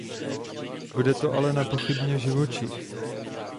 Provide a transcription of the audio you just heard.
Bude to ale nepochybně živočich.